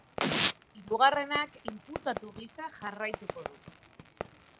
Hirugarrenak inputatu gisa jarraituko du.